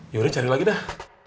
yaudah cari lagi deh